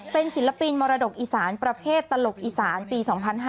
เป็นศิลปินมรดกอีสานประเภทตลกอีสานปี๒๕๕๙